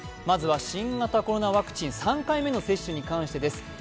まずは新型コロナワクチン３回目の接種に関してです。